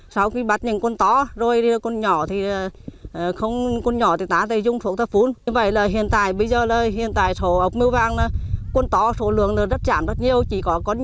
sau khi bắt nhìn con to rồi con nhỏ thì